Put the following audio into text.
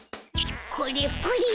これプリン